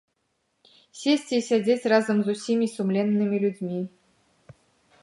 Сесці і сядзець разам з усімі сумленнымі людзьмі.